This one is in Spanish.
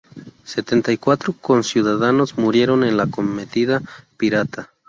Setenta y cuatro conciudadanos murieron en la acometida pirata.